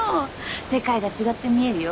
世界が違って見えるよ。